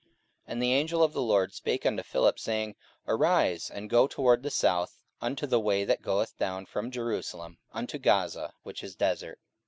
44:008:026 And the angel of the Lord spake unto Philip, saying, Arise, and go toward the south unto the way that goeth down from Jerusalem unto Gaza, which is desert.